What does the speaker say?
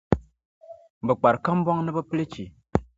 Bɛ kpari kambɔŋ ni bɛ pili chi.